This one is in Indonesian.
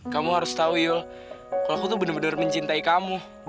kamu harus tahu yul kalau aku tuh bener bener mencintai kamu